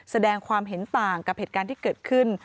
แสดงความเห็นต่างกับเหตุการณ์ที่เกิดขึ้น